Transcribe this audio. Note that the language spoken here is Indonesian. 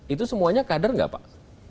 itu semuanya kader nggak pak